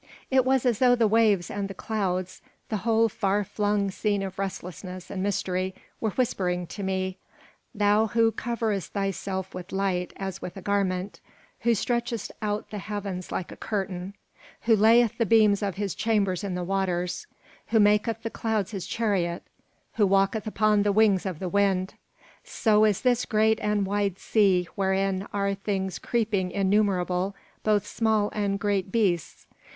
It was as though the waves and the clouds, the whole far flung scene of restlessness and mystery, were whispering to me: "Thou who coverest thyself with light as with a garment, who stretchest out the heavens like a curtain: who layeth the beams of his chambers in the waters: who maketh the clouds his chariot: who walketh upon the wings of the wind. ... So is this great and wide sea wherein are things creeping innumerable, both small and great beasts.